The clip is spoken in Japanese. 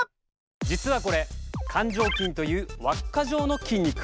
実はこれ環状筋という輪っか状の筋肉。